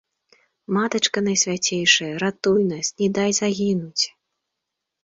Матачка найсвяцейшая, ратуй нас, не дай загінуць.